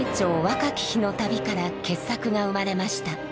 若き日の旅から傑作が生まれました。